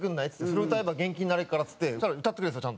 「それ歌えば元気になれっから」っつってそしたら歌ってくれるんですよ